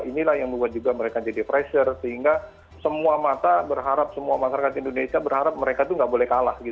inilah yang membuat juga mereka jadi pressure sehingga semua mata berharap semua masyarakat indonesia berharap mereka itu nggak boleh kalah